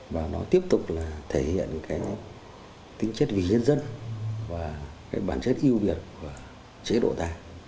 và nó tiếp tục là thể hiện cái tính chất vì nhân dân và cái bản chất yêu biệt của chế độ ta